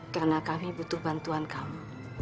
karena kami butuh bantuan kamu